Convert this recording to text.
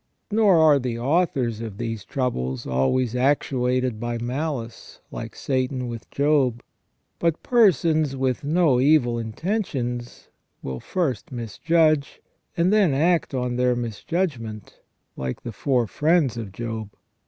Nor are the authors of these troubles always actuated by malice, like Satan with Job ; but persons with no evil intentions will first misjudge, and then act on their misjudgment, like the four friends of Job.